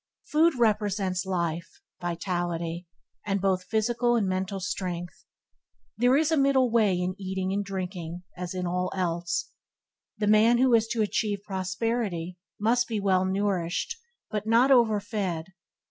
Food represents life, vitality, and both physical and mental strength. There is a middle way in eating and drinking, as in all else. The man who is to achieve prosperity must be well nourished, but not overfed.